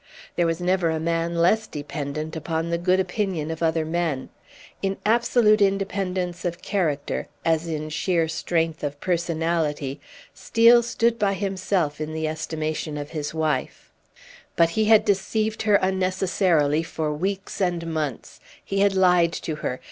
There was never a man less dependent upon the good opinion of other men. In absolute independence of character, as in sheer strength of personality, Steel stood by himself in the estimation of his wife. But he had deceived her unnecessarily for weeks and months. He had lied to her.